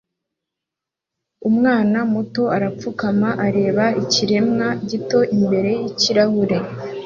Umwana muto arapfukama areba ikiremwa gito imbere yikirahure